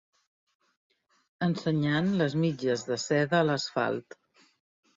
Ensenyant les mitges de seda a l'asfalt.